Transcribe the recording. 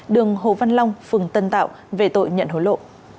đường hồ văn long phường tân tạo về tội nhận hối lộ